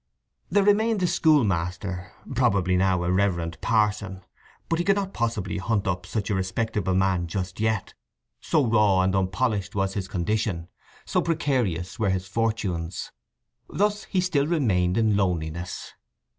There remained the schoolmaster—probably now a reverend parson. But he could not possibly hunt up such a respectable man just yet; so raw and unpolished was his condition, so precarious were his fortunes. Thus he still remained in loneliness.